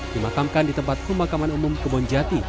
dimakamkan di tempat pemakaman umum kebonjati